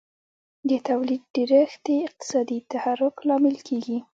د تولید ډېرښت د اقتصادي تحرک لامل کیږي.